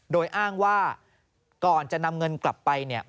โดยอ้างว่าก่อนจะนำเงินกลับไปเนี่ย